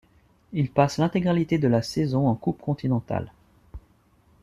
Il passe l'intégralité de la saison en coupe continentale.